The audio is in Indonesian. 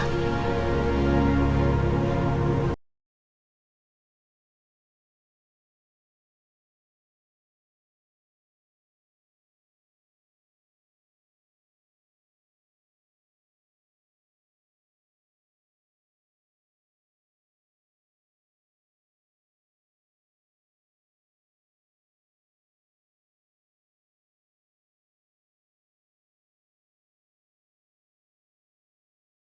aku sudah tahu